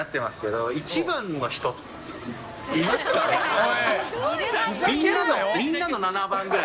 おい！